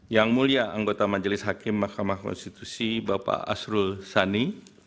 yang mulia anggota majelis hakim mahkamah konstitusi bapak asrul sani